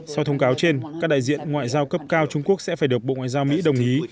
sau thông cáo trên các đại diện ngoại giao cấp cao trung quốc sẽ phải được bộ ngoại giao mỹ đồng ý